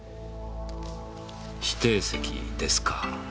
指定席ですか。